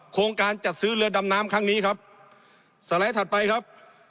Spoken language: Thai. โครงการจัดซื้อเรือดำน้ำครั้งนี้ครับสไลด์ถัดไปครับ